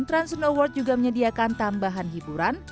trans snow world juga menyediakan tambahan hiburan